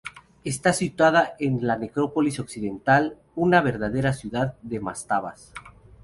Está situada en la necrópolis occidental, una verdadera ciudad de mastabas.